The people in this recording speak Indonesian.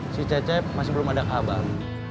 si cecep masih belum ada kabar